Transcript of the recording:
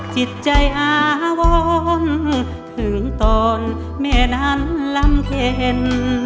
จิตใจอาวรถึงตอนแม่นั้นลำเข็น